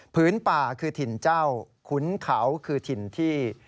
ป่าคือถิ่นเจ้าขุนเขาคือถิ่นที่